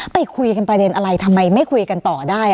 ไปคุยกันประเด็นอะไรทำไมไม่คุยกันต่อได้